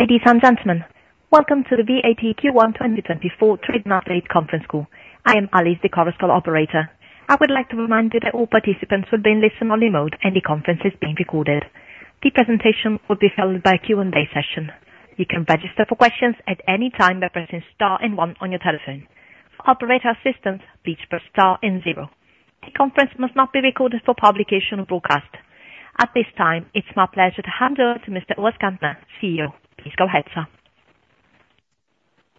Ladies and gentlemen, welcome to the VAT Q1 2024 Trade and Update Conference Call. I am Alice, the conference operator. I would like to remind you that all participants will be in listen-only mode and the conference is being recorded. The presentation will be followed by a Q&A session. You can register for questions at any time by pressing star and one on your telephone. For operator assistance, please press star and 0. The conference must not be recorded for publication or broadcast. At this time, it's my pleasure to hand over to Mr. Urs Gantner, CEO. Please go ahead, sir.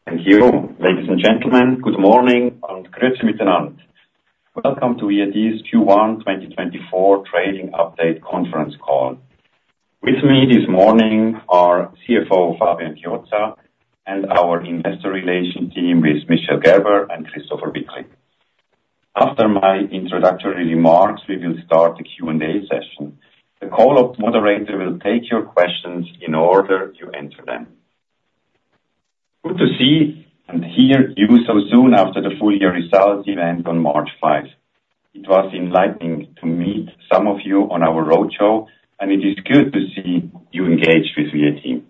Thank you. Ladies and gentlemen, good morning und Grüezi miteinander. Welcome to VAT's Q1 2024 Trading Update Conference Call. With me this morning are CFO Fabian Chiozza and our investor relations team with Michel Gerber and Christopher Wickli. After my introductory remarks, we will start the Q&A session. The call moderator will take your questions in order you answer them. Good to see and hear you so soon after the full-year results event on March 5. It was enlightening to meet some of you on our roadshow, and it is good to see you engaged with VAT.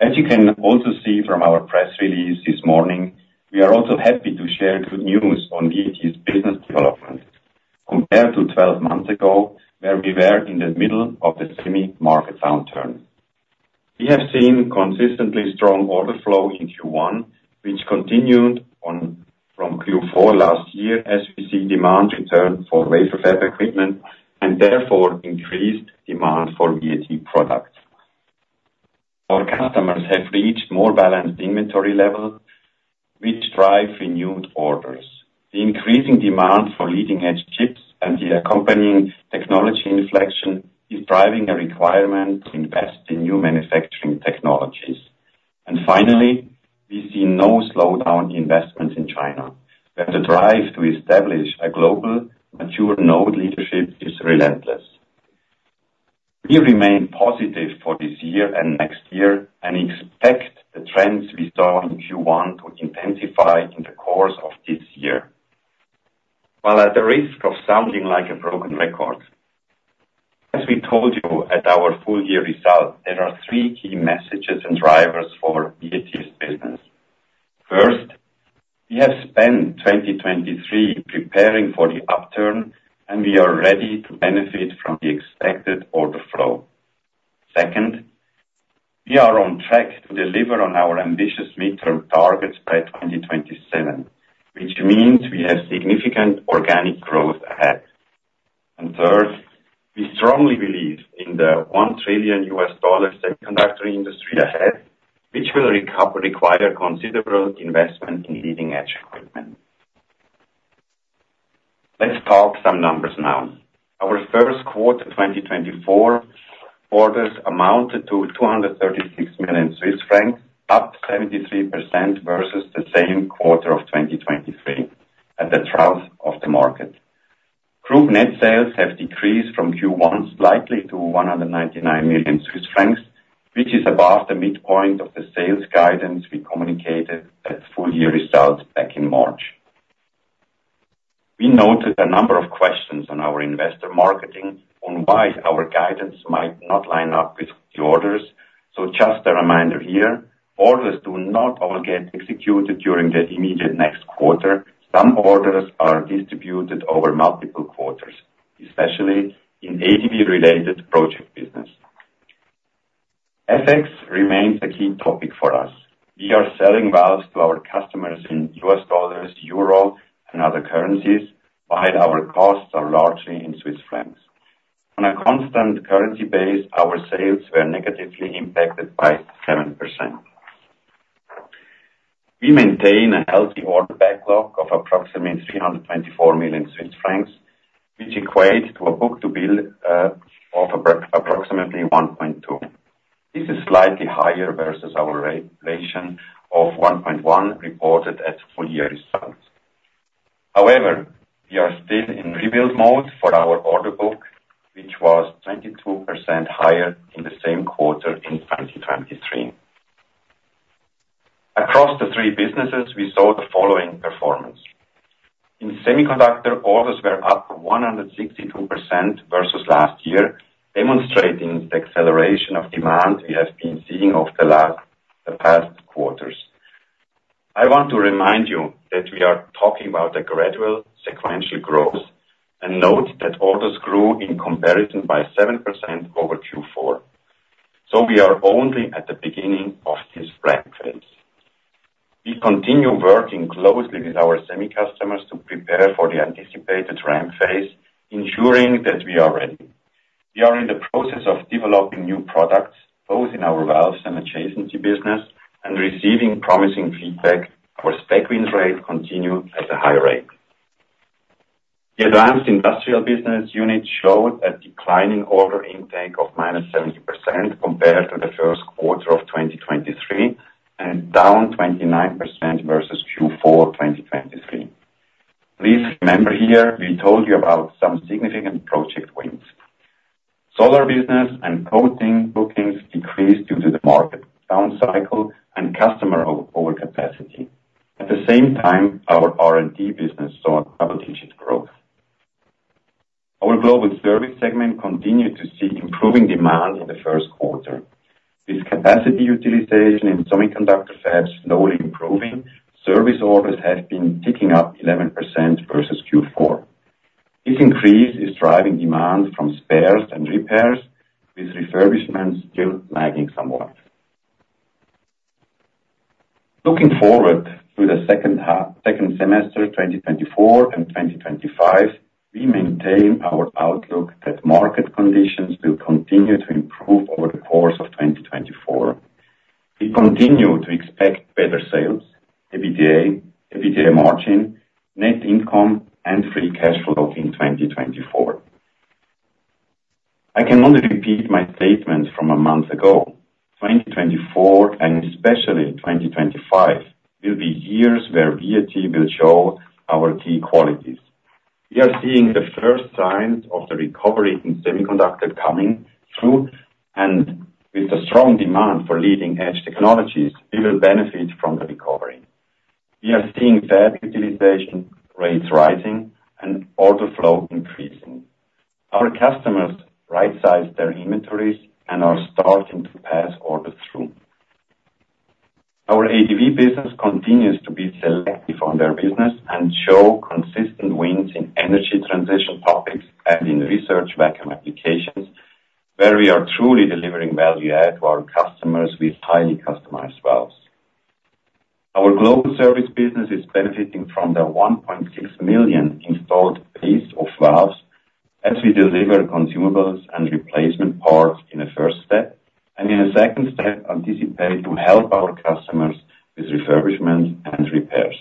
As you can also see from our press release this morning, we are also happy to share good news on VAT's business development compared to 12 months ago, where we were in the middle of the semi-market downturn. We have seen consistently strong order flow in Q1, which continued from Q4 last year as we see demand return for wafer fab equipment and therefore increased demand for VAT products. Our customers have reached more balanced inventory levels, which drive renewed orders. The increasing demand for leading-edge chips and the accompanying technology inflection is driving a requirement to invest in new manufacturing technologies. And finally, we see no slowdown in investments in China, where the drive to establish a global, mature node leadership is relentless. We remain positive for this year and next year and expect the trends we saw in Q1 to intensify in the course of this year. While at the risk of sounding like a broken record, as we told you at our full-year result, there are three key messages and drivers for VAT's business. First, we have spent 2023 preparing for the upturn, and we are ready to benefit from the expected order flow. Second, we are on track to deliver on our ambitious midterm targets by 2027, which means we have significant organic growth ahead. And third, we strongly believe in the $1 trillion Semiconductor industry ahead, which will require considerable investment in leading-edge equipment. Let's talk some numbers now. Our first quarter 2024 orders amounted to 236 million Swiss francs, up 73% versus the same quarter of 2023 at the trough of the market. Group net sales have decreased in Q1 slightly to 199 million Swiss francs, which is above the midpoint of the sales guidance we communicated at full-year results back in March. We noted a number of questions on our investor materials on why our guidance might not line up with the orders. Just a reminder here: orders do not all get executed during the immediate next quarter. Some orders are distributed over multiple quarters, especially in ADV-related project business. FX remains a key topic for us. We are selling valves to our customers in U.S. dollars, euro, and other currencies, while our costs are largely in CHF. On a constant currency base, our sales were negatively impacted by 7%. We maintain a healthy order backlog of approximately 324 million Swiss francs, which equates to a book-to-bill of approximately 1.2. This is slightly higher versus our ratio of 1.1 reported at full-year results. However, we are still in rebuild mode for our order book, which was 22% higher in the same quarter in 2023. Across the three businesses, we saw the following performance. In semiconductor, orders were up 162% versus last year, demonstrating the acceleration of demand we have been seeing over the past quarters. I want to remind you that we are talking about a gradual, sequential growth and note that orders grew in comparison by 7% over Q4. So we are only at the beginning of this ramp phase. We continue working closely with our semi-customers to prepare for the anticipated ramp phase, ensuring that we are ready. We are in the process of developing new products, both in our valves and adjacency business, and receiving promising feedback. Our spec wins rate continued at a high rate. The Advanced Industrial business unit showed a declining order intake of -70% compared to the first quarter of 2023 and down 29% versus Q4 2023. Please remember here, we told you about some significant project wins. Solar business and coating bookings decreased due to the market downcycle and customer overcapacity. At the same time, our R&D business saw double-digit growth. Our Global service segment continued to see improving demand in the first quarter. With capacity utilization in semiconductor fabs slowly improving, service orders have been ticking up 11% versus Q4. This increase is driving demand from spares and repairs, with refurbishment still lagging somewhat. Looking forward to the second semester 2024 and 2025, we maintain our outlook that market conditions will continue to improve over the course of 2024. We continue to expect better sales, EBITDA, EBITDA margin, net income, and free cash flow in 2024. I can only repeat my statements from a month ago. 2024 and especially 2025 will be years where VAT will show our key qualities. We are seeing the first signs of the recovery in semiconductor coming through, and with the strong demand for leading-edge technologies, we will benefit from the recovery. We are seeing fab utilization rates rising and order flow increasing. Our customers right-size their inventories and are starting to pass orders through. Our ADV business continues to be selective on their business and show consistent wins in energy transition topics and in research vacuum applications, where we are truly delivering value add to our customers with highly customized valves. Our global service business is benefiting from the 1.6 million installed base of valves as we deliver consumables and replacement parts in a first step, and in a second step, anticipate to help our customers with refurbishment and repairs.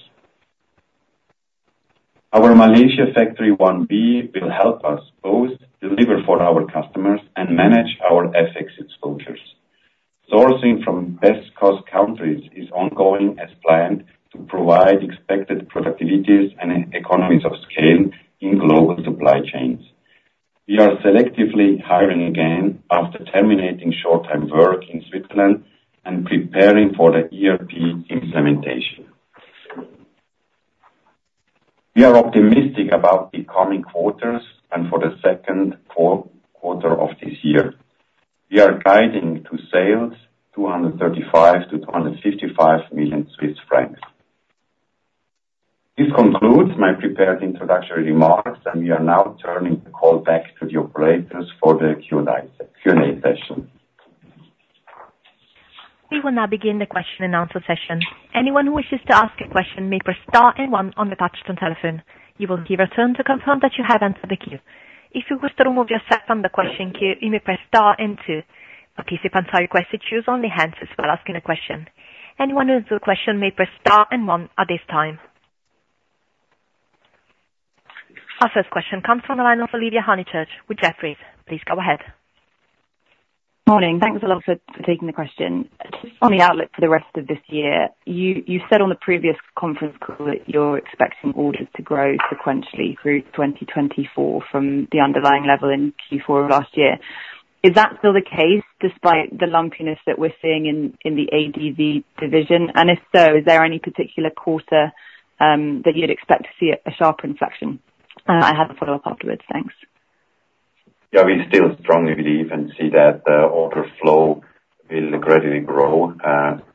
Our Malaysia Factory 1B will help us both deliver for our customers and manage our FX exposures. Sourcing from best-cost countries is ongoing as planned to provide expected productivities and economies of scale in global supply chains. We are selectively hiring again after terminating short-time work in Switzerland and preparing for the ERP implementation. We are optimistic about the coming quarters and for the second quarter of this year. We are guiding to sales 235 million-255 million Swiss francs. This concludes my prepared introductory remarks, and we are now turning the call back to the operators for the Q&A session. We will now begin the question and answer session. Anyone who wishes to ask a question may press star and 1 on the touchscreen telephone. You will be returned to confirm that you have entered the queue. If you wish to remove yourself from the question queue, you may press star and two. Participants are requested to use only handsets while asking a question. Anyone who has a question may press star and 1 at this time. Our first question comes from the line of Olivia Honychurch with Jefferies. Please go ahead. Morning. Thanks a lot for taking the question. Just on the outlook for the rest of this year, you said on the previous conference call that you're expecting orders to grow sequentially through 2024 from the underlying level in Q4 of last year. Is that still the case despite the lumpiness that we're seeing in the ADV division? And if so, is there any particular quarter that you'd expect to see a sharper inflection? I have a follow-up afterwards. Thanks. Yeah. We still strongly believe and see that the order flow will gradually grow.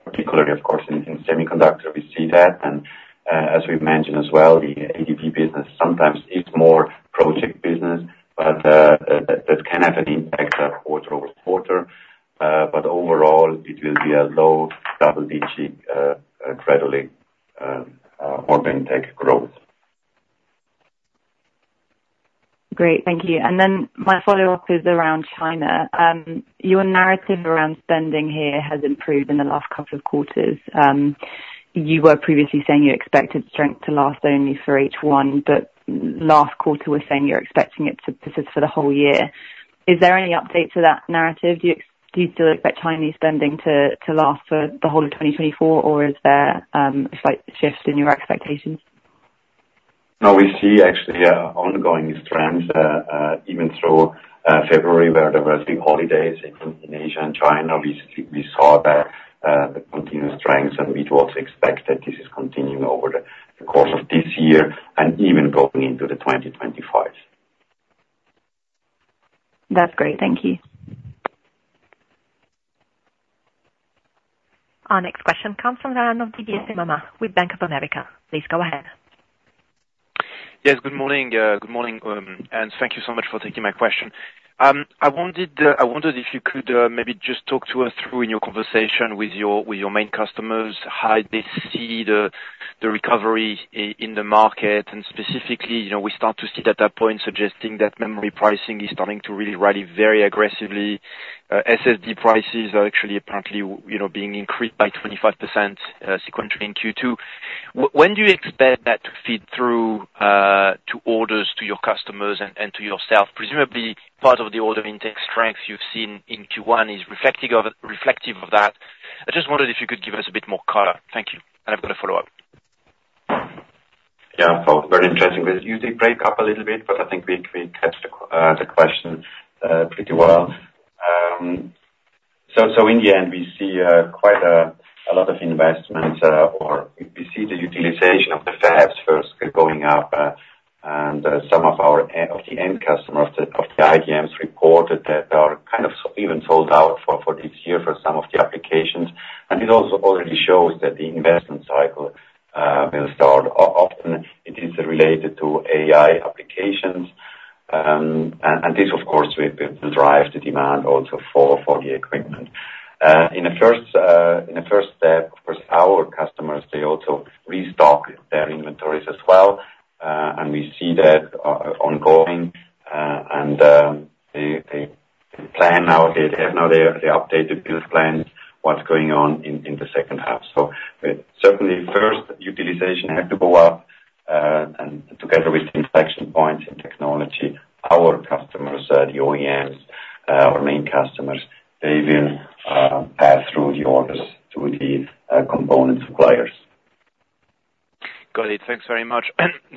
Particularly, of course, in semiconductor, we see that. And as we mentioned as well, the ADV business sometimes is more project business, but that can have an impact quarter over quarter. But overall, it will be a low double-digit, gradually more big tech growth. Great. Thank you. And then my follow-up is around China. Your narrative around spending here has improved in the last couple of quarters. You were previously saying you expected strength to last only for H1, but last quarter, we're saying you're expecting it to persist for the whole year. Is there any update to that narrative? Do you still expect Chinese spending to last for the whole of 2024, or is there a slight shift in your expectations? No. We see actually an ongoing strength even through February, where there were big holidays in Asia and China. We saw that continuous strength, and we do also expect that this is continuing over the course of this year and even going into the 2025. That's great. Thank you. Our next question comes from the line of Didier Scemama with Bank of America. Please go ahead. Yes. Good morning. Good morning. Thank you so much for taking my question. I wondered if you could maybe just talk to us through in your conversation with your main customers how they see the recovery in the market. Specifically, we start to see data points suggesting that memory pricing is starting to really rally very aggressively. SSD prices are actually apparently being increased by 25% sequentially in Q2. When do you expect that to feed through to orders, to your customers, and to yourself? Presumably, part of the order intake strength you've seen in Q1 is reflective of that. I just wondered if you could give us a bit more color. Thank you. I've got a follow-up. Yeah. So very interesting. You did break up a little bit, but I think we caught the question pretty well. So in the end, we see quite a lot of investments, or we see the utilization of the fabs first going up. Some of the end customers of the IDMs reported that they are kind of even sold out for this year for some of the applications. And this also already shows that the investment cycle will start. Often, it is related to AI applications. And this, of course, will drive the demand also for the equipment. In a first step, of course, our customers, they also restock their inventories as well. And we see that ongoing. And they plan now. They have now the updated build plans, what's going on in the second half. So certainly, first, utilization has to go up. Together with inflection points in technology, our customers, the OEMs, our main customers, they will pass through the orders to the component suppliers. Got it. Thanks very much.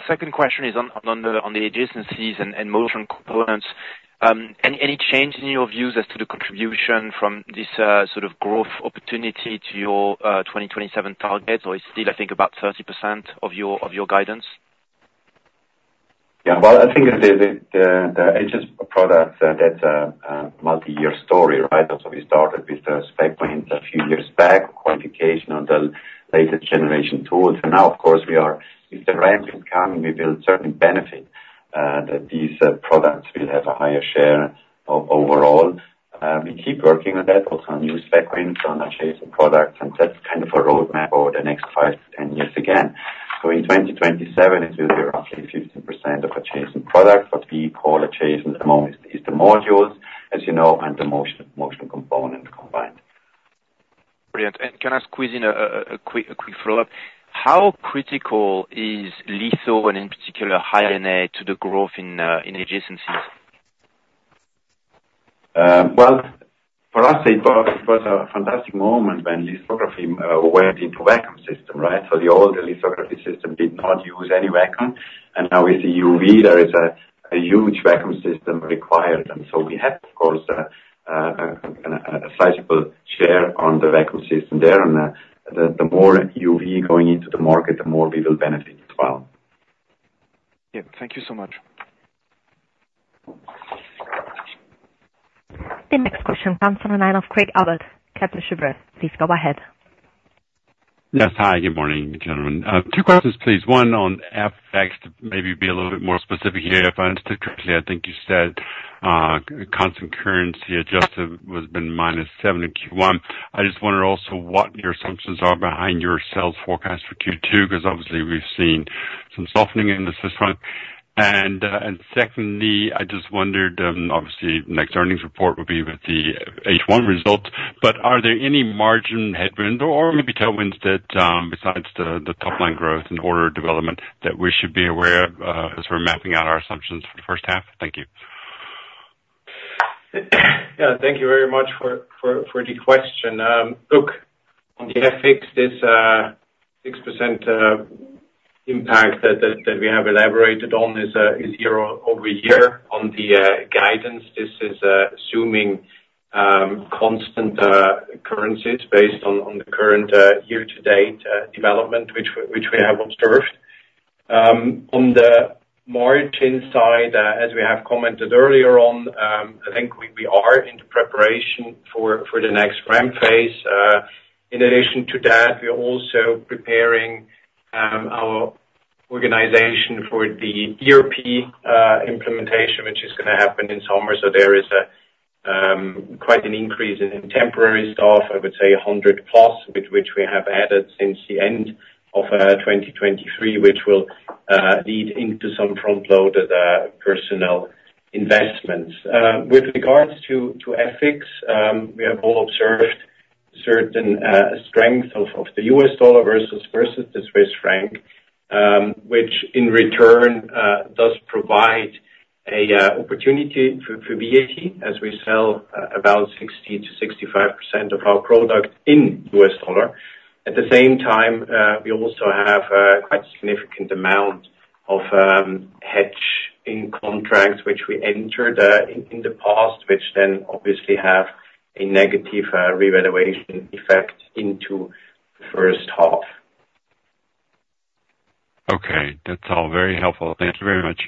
Second question is on the adjacencies and motion components. Any change in your views as to the contribution from this sort of growth opportunity to your 2027 targets? Or is it still, I think, about 30% of your guidance? Yeah. Well, I think the Adjacency product, that's a multi-year story, right? So we started with the spec wins a few years back, qualification on the latest generation tools. And now, of course, if the ramp is coming, we will certainly benefit that these products will have a higher share overall. We keep working on that, also on new spec wins on adjacent products. And that's kind of a roadmap over the next 5-10 years again. So in 2027, it will be roughly 15% of adjacent products. What we call adjacent at the moment is the modules, as you know, and the motion component combined. Brilliant. Can I squeeze in a quick follow-up? How critical is Litho, and in particular, High-NA to the growth in adjacencies? Well, for us, it was a fantastic moment when lithography went into vacuum system, right? So the older lithography system did not use any vacuum. And now with the EUV, there is a huge vacuum system required. And so we have, of course, a sizable share on the vacuum system there. And the more EUV going into the market, the more we will benefit as well. Yeah. Thank you so much. The next question comes from the line of Craig Abbott of Kepler Cheuvreux. Please go ahead. Yes. Hi. Good morning, gentlemen. Two questions, please. One on FX, to maybe be a little bit more specific here. If I understood correctly, I think you said constant currency adjusted has been -7 in Q1. I just wondered also what your assumptions are behind your sales forecast for Q2 because obviously, we've seen some softening in this month. Secondly, I just wondered, obviously, next earnings report will be with the H1 results. But are there any margin headwinds or maybe tailwinds besides the top-line growth and order development that we should be aware of as we're mapping out our assumptions for the first half? Thank you. Yeah. Thank you very much for the question. Look, on the FX, this 6% impact that we have elaborated on is zero over year. On the guidance, this is assuming constant currencies based on the current year-to-date development, which we have observed. On the margin side, as we have commented earlier on, I think we are in preparation for the next ramp phase. In addition to that, we're also preparing our organization for the ERP implementation, which is going to happen in summer. So there is quite an increase in temporary staff, I would say 100+, which we have added since the end of 2023, which will lead into some front-loaded personnel investments. With regard to FX, we have all observed certain strength of the U.S. dollar versus the Swiss franc, which in turn does provide an opportunity for VAT as we sell about 60%-65% of our product in U.S. dollar. At the same time, we also have a quite significant amount of hedge contracts which we entered in the past, which then obviously have a negative revaluation effect in the first half. Okay. That's all very helpful. Thank you very much.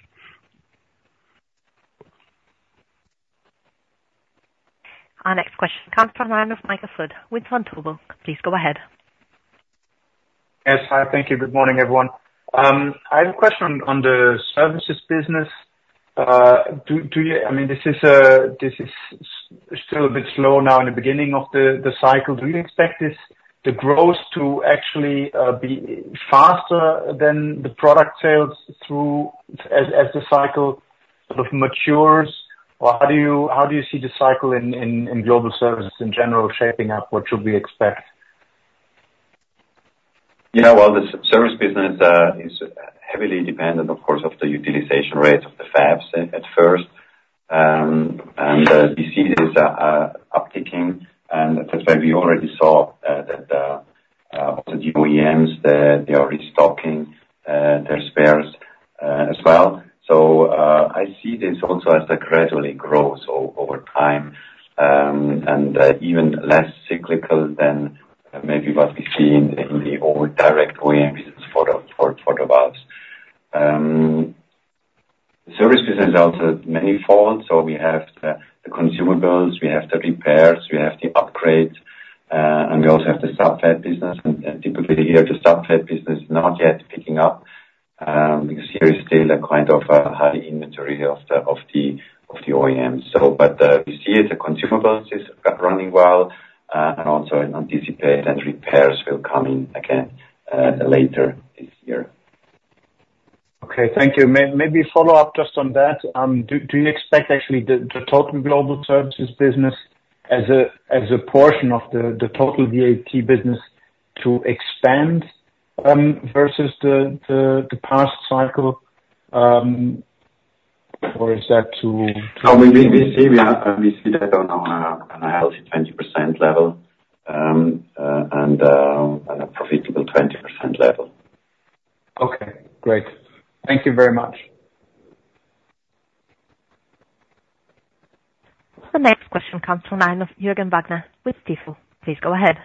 Our next question comes from the line of Michael Foeth with Vontobel. Please go ahead. Yes. Hi. Thank you. Good morning, everyone. I have a question on the services business. I mean, this is still a bit slow now in the beginning of the cycle. Do you expect the growth to actually be faster than the product sales as the cycle sort of matures? Or how do you see the cycle in global services in general shaping up? What should we expect? Yeah. Well, the service business is heavily dependent, of course, on the utilization rates of the fabs at first. And we see this upticking. And that's why we already saw that the OEMs, they are restocking their spares as well. So I see this also as a gradually growth over time and even less cyclical than maybe what we see in the old direct OEM business for the valves. The service business also many-fold. So we have the consumables. We have the repairs. We have the upgrades. And we also have the sub-fab business. And typically here, the sub-fab business is not yet picking up because here is still a kind of high inventory of the OEMs. But we see it. The consumables is running well. And also anticipate that repairs will come in again later this year. Okay. Thank you. Maybe follow-up just on that. Do you expect actually the total global services business as a portion of the total VAT business to expand versus the past cycle? Or is that too? Oh. We see that on a healthy 20% level and a profitable 20% level. Okay. Great. Thank you very much. The next question comes from the line of Jürgen Wagner with Stifel. Please go ahead.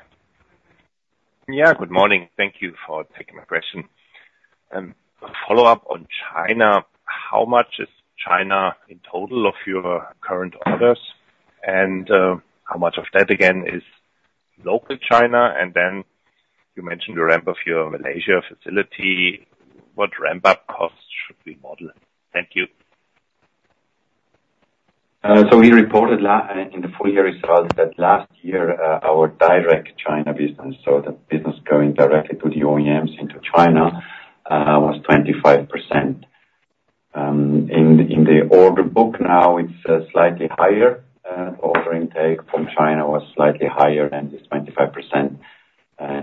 Yeah. Good morning. Thank you for taking my question. Follow-up on China. How much is China in total of your current orders? And how much of that, again, is local China? And then you mentioned you ramp up your Malaysia facility. What ramp-up cost should we model? Thank you. So we reported in the full-year results that last year, our direct China business, so the business going directly to the OEMs into China, was 25%. In the order book now, it's slightly higher. Order intake from China was slightly higher than this 25%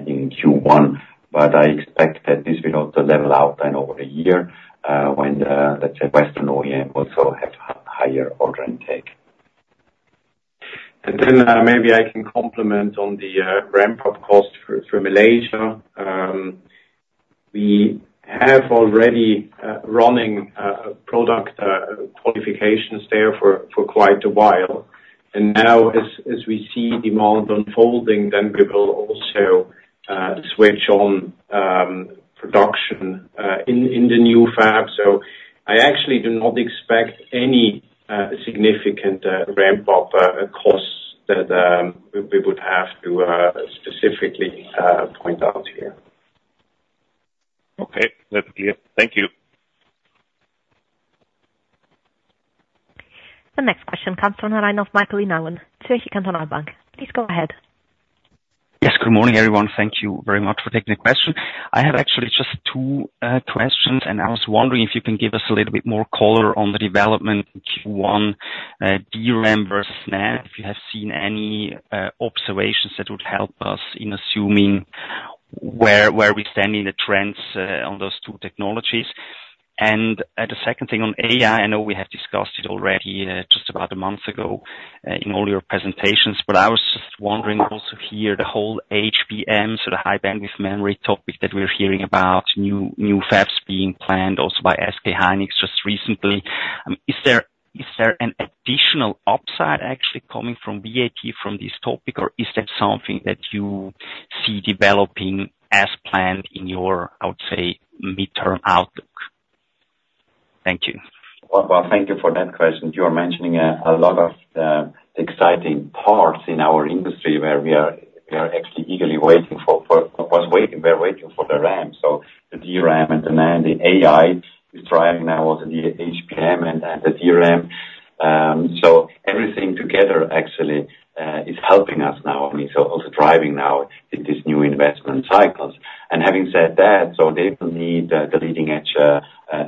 in Q1. But I expect that this will also level out then over the year when, let's say, Western OEM also have higher order intake. And then maybe I can comment on the ramp-up cost for Malaysia. We have already running product qualifications there for quite a while. And now, as we see demand unfolding, then we will also switch on production in the new fab. So I actually do not expect any significant ramp-up costs that we would have to specifically point out here. Okay. That's clear. Thank you. The next question comes from the line of Michael Inauen. Zürcher Kantonalbank. Please go ahead. Yes. Good morning, everyone. Thank you very much for taking the question. I have actually just two questions. And I was wondering if you can give us a little bit more color on the development in Q1, DRAM versus NAND, if you have seen any observations that would help us in assuming where we stand in the trends on those two technologies. And the second thing on AI, I know we have discussed it already just about a month ago in all your presentations. But I was just wondering also here, the whole HBM, so the high-bandwidth memory topic that we're hearing about, new fabs being planned also by SK Hynix just recently. Is there an additional upside actually coming from VAT from this topic? Or is that something that you see developing as planned in your, I would say, mid-term outlook? Thank you. Well, thank you for that question. You are mentioning a lot of the exciting parts in our industry where we are actually eagerly waiting for the RAM. So the DRAM and the NAND, the AI is driving now also the HBM and the DRAM. So everything together, actually, is helping us now and is also driving now in these new investment cycles. And having said that, so they will need the leading-edge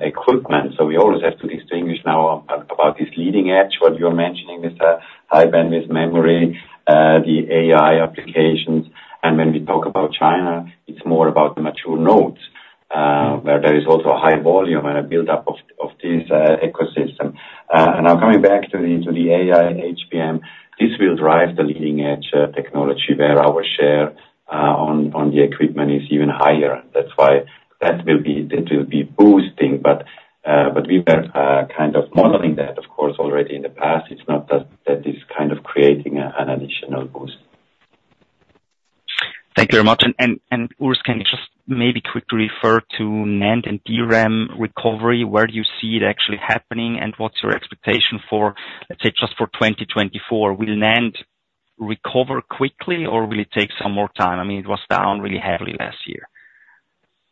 equipment. So we always have to distinguish now about this leading edge, what you are mentioning, regarding high-bandwidth memory, the AI applications. And when we talk about China, it's more about the mature nodes where there is also a high volume and a buildup of this ecosystem. And now coming back to the AI, HBM, this will drive the leading-edge technology where our share on the equipment is even higher. That's why that will be boosting. But we were kind of modeling that, of course, already in the past. It's not that this is kind of creating an additional boost. Thank you very much. And Urs, can you just maybe quickly refer to NAND and DRAM recovery? Where do you see it actually happening? And what's your expectation for, let's say, just for 2024? Will NAND recover quickly? Or will it take some more time? I mean, it was down really heavily last year.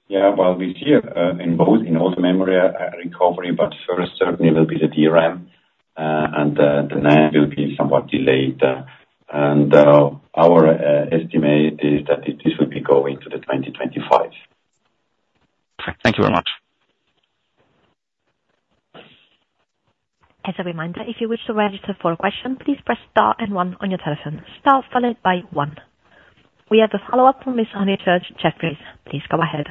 Yeah. Well, we see it in both in all the memory recovery. But first, certainly, will be the DRAM. And the NAND will be somewhat delayed. And our estimate is that this will be going to the 2025. Perfect. Thank you very much. As a reminder, if you wish to register for a question, please press star and one on your telephone. Star followed by one. We have a follow-up from Ms. Honychurch, Jefferies. Please go ahead.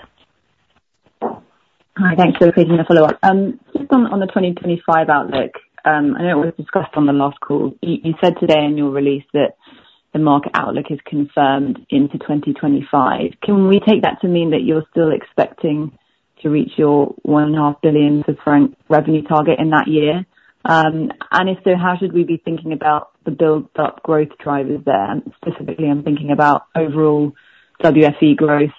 Hi. Thanks for creating a follow-up. Just on the 2025 outlook, I know it was discussed on the last call. You said today in your release that the market outlook is confirmed into 2025. Can we take that to mean that you're still expecting to reach your 1.5 billion franc revenue target in that year? And if so, how should we be thinking about the build-up growth drivers there? Specifically, I'm thinking about overall WFE growth,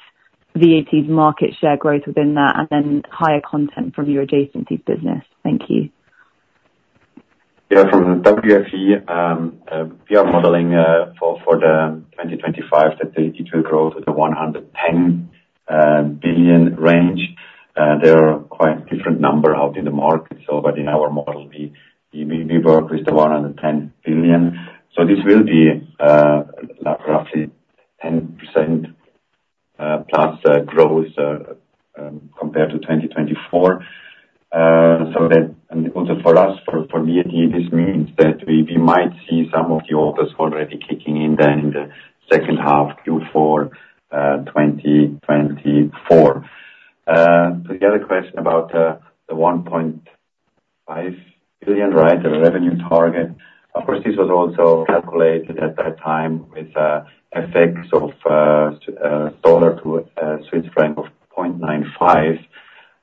VAT's market share growth within that, and then higher content from your adjacencies business. Thank you. Yeah. From the WFE, we are modeling for the 2025 that it will grow to the $110 billion range. They are quite different numbers out in the market. So but in our model, we work with the $110 billion. So this will be roughly 10%+ growth compared to 2024. And also for us, for VAT, this means that we might see some of the orders already kicking in then in the second half, Q4, 2024. To the other question about the 1.5 billion, right, the revenue target, of course, this was also calculated at that time with FX of dollar to Swiss franc of 0.95.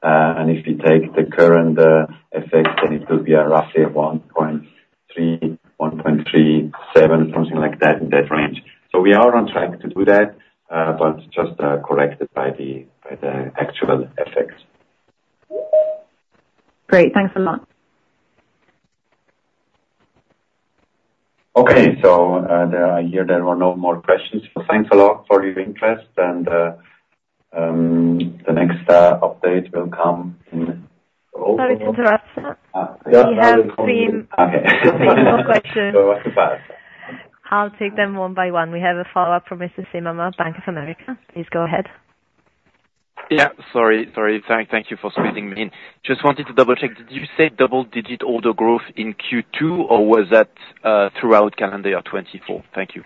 And if we take the current FX, then it will be roughly 1.3-1.37, something like that in that range. So we are on track to do that, but just corrected by the actual FX. Great. Thanks a lot. Okay. I hear there were no more questions. Thanks a lot for your interest. The next update will come in. Sorry to interrupt that. We have three more questions. What's the path? I'll take them one by one. We have a follow-up from Mr. Scemama, Bank of America. Please go ahead. Yeah. Sorry. Thank you for squeezing me in. Just wanted to double-check. Did you say double-digit order growth in Q2? Or was that throughout calendar year 2024? Thank you.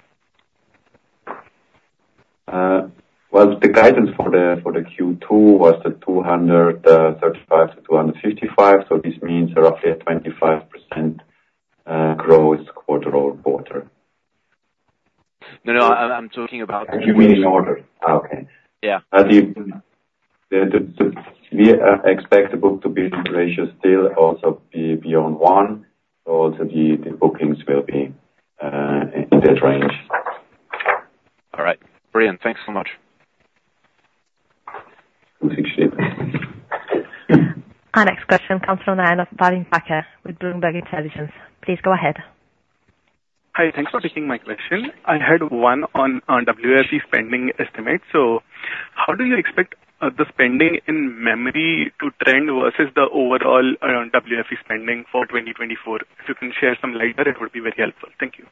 Well, the guidance for the Q2 was 235-255. So this means roughly a 25% growth quarter-over-quarter. No, no. I'm talking about. Do you mean in order? Okay. We expect the book-to-bill ratio still also be beyond one. So also the bookings will be in that range. All right. Brilliant. Thanks so much. Thanks, Shiv. Our next question comes from the line of Bhavin Patel with Bloomberg Intelligence. Please go ahead. Hi. Thanks for taking my question. I heard one on WFE spending estimates. So how do you expect the spending in memory to trend versus the overall WFE spending for 2024? If you can share some later, it would be very helpful. Thank you.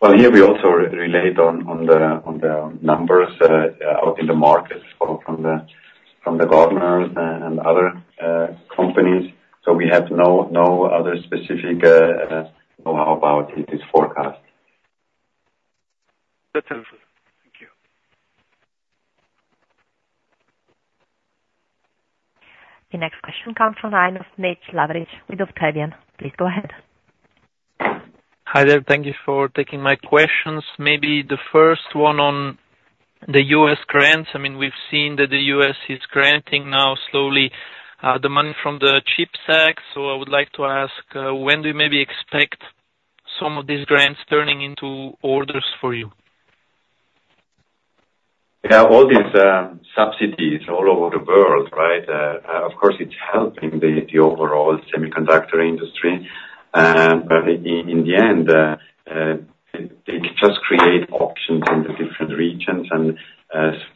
Well, here, we also rely on the numbers out in the markets from Gartner and other companies. We have no other specific know-how about this forecast. That's helpful. Thank you. The next question comes from the line of Nejc Lavric with Octavian. Please go ahead. Hi there. Thank you for taking my questions. Maybe the first one on the U.S. grants. I mean, we've seen that the U.S. is granting now slowly the money from the CHIPS Act. So I would like to ask, when do you maybe expect some of these grants turning into orders for you? Yeah. All these subsidies all over the world, right, of course, it's helping the overall semiconductor industry. But in the end, they just create options in the different regions. And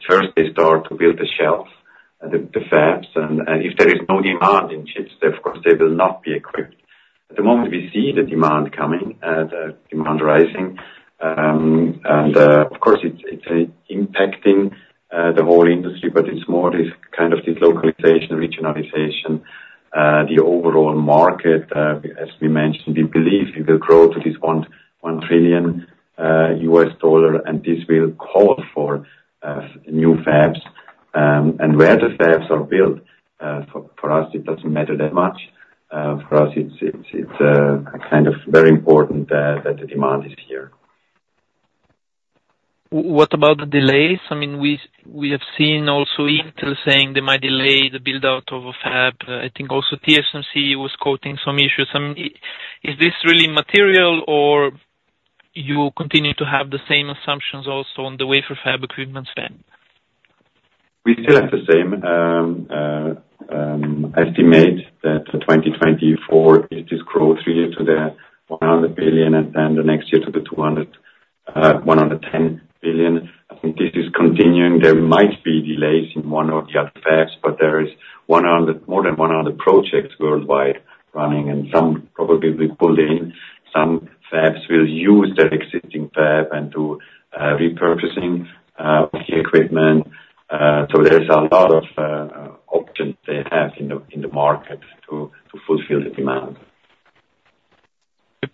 first, they start to build the shelves, the fabs. And if there is no demand in chips, of course, they will not be equipped. At the moment, we see the demand coming, the demand rising. And of course, it's impacting the whole industry. But it's more this kind of this localization, regionalization, the overall market. As we mentioned, we believe it will grow to this $1 trillion. And this will call for new fabs. And where the fabs are built, for us, it doesn't matter that much. For us, it's kind of very important that the demand is here. What about the delays? I mean, we have seen also Intel saying they might delay the build-out of a fab. I think also TSMC was quoting some issues. I mean, is this really material? Or you continue to have the same assumptions also on the way for fab equipment spend? We still have the same estimate that 2024 is this growth year to the $100 billion and then the next year to the $110 billion. I think this is continuing. There might be delays in one or the other fabs. But there is more than 100 projects worldwide running. And some probably will be pulled in. Some fabs will use their existing fab and do repurposing of the equipment. So there's a lot of options they have in the market to fulfill the demand.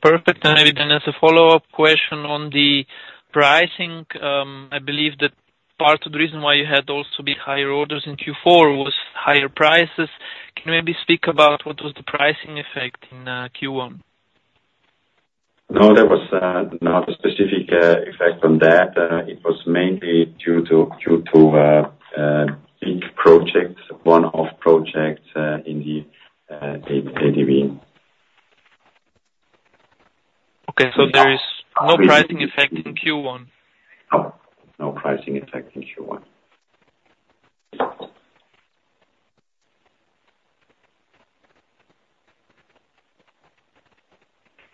Perfect. And maybe then as a follow-up question on the pricing, I believe that part of the reason why you had also big higher orders in Q4 was higher prices. Can you maybe speak about what was the pricing effect in Q1? No. There was not a specific effect on that. It was mainly due to big projects, one-off projects in the ADV. Okay. So there is no pricing effect in Q1? No. No pricing effect in Q1.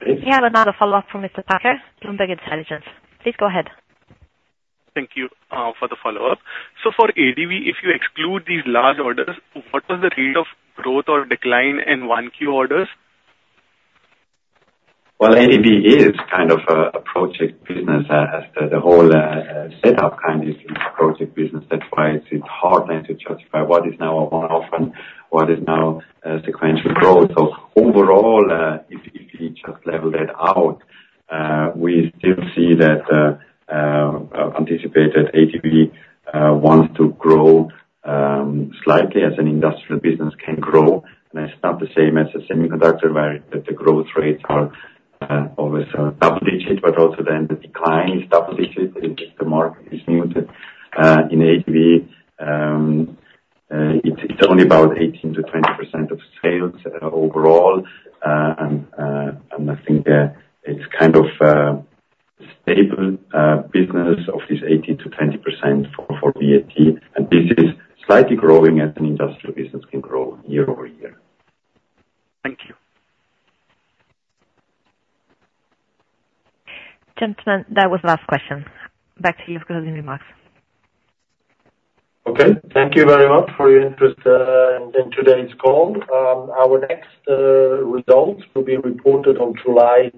We have another follow-up from Mr. Patel, Bloomberg Intelligence. Please go ahead. Thank you for the follow-up. So for ADV, if you exclude these large orders, what was the rate of growth or decline in 1Q orders? Well, ADV is kind of a project business. The whole setup kind is a project business. That's why it's hard then to justify what is now a one-off and what is now sequential growth. So overall, if we just level that out, we still see that anticipated ADV wants to grow slightly as an industrial business can grow. And it's not the same as a semiconductor where the growth rates are always double-digit. But also then the decline is double-digit if the market is muted. In ADV, it's only about 18%-20% of sales overall. And I think it's kind of a stable business of this 18%-20% for VAT. And this is slightly growing as an industrial business can grow year-over-year. Thank you. Gentlemen, that was the last question. Back to you for closing remarks. Okay. Thank you very much for your interest in today's call. Our next results will be reported on July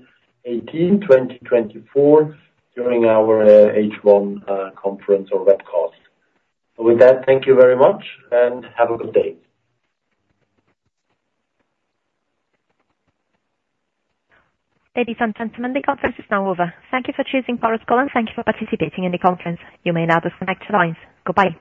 18, 2024, during our H1 conference or webcast. So with that, thank you very much. And have a good day. Ladies and gentlemen, the conference is now over. Thank you for choosing Chorus Call. Thank you for participating in the conference. You may now disconnect the lines. Goodbye.